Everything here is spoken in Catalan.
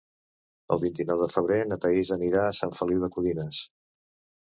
El vint-i-nou de febrer na Thaís anirà a Sant Feliu de Codines.